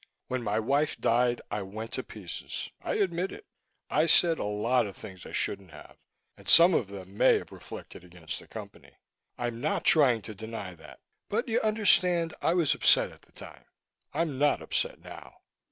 When my wife died, I went to pieces. I admit it. I said a lot of things I shouldn't have, and some of them may have reflected against the Company. I'm not trying to deny that but, you understand, I was upset at the time. I'm not upset now."